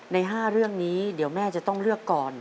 ใน๕เรื่องนี้เดี๋ยวแม่จะต้องเลือกก่อน